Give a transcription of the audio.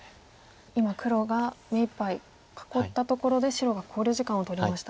今黒が目いっぱい囲ったところで白が考慮時間を取りました。